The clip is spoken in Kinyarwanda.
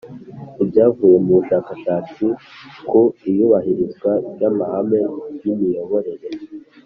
Ibyavuye mu bushakashatsi ku iyubahirizwa ry’ amahame y’ imiyoborere